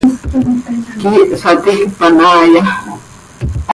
¿Quíih saticpan haaya?